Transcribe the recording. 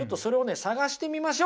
探してみましょうかね。